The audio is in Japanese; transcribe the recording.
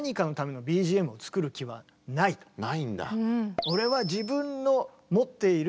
ないんだ。